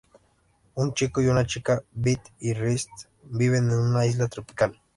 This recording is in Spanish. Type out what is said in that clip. Un chico y una chica, Beat y Rest viven en una isla tropical.